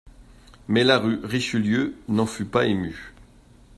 Mais la rue Richelieu n'en fut pas émue.